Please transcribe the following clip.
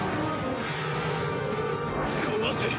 壊せ！